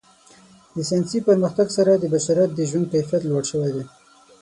د ساینسي پرمختګ سره د بشریت د ژوند کیفیت لوړ شوی.